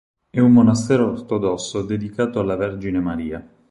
È un monastero ortodosso dedicato alla Vergine Maria.